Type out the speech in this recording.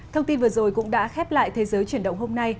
thông tin vừa rồi cũng đã khép lại thế giới chuyển động hôm nay